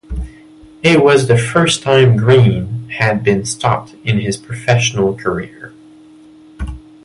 It was the first time Green had been stopped in his professional career.